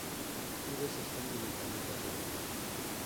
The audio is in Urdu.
پورے سسٹم کی نگرانی کررہے ہیں